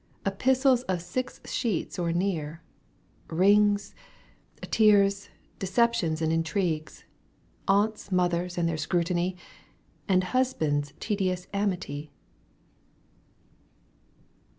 Epistles of six sheets or near, Bings, tears, deceptions and intrigues, Aunts, mothers and their scrutiny, And husbands' tedious amity